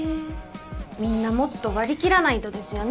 みんなもっと割り切らないとですよね。